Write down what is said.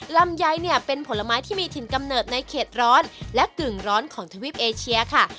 ลำไยเนี่ยเป็นผลไม้ที่มีถิ่นกำเนิดในเขตร้อนและกึ่งร้อนของทวีปเอเชียค่ะ